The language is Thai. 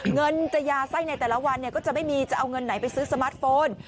เงินจะยาไส้ในแต่ละวันก็จะไม่มีจะเอาเงินไหนไปซื้อสมาร์ทโฟน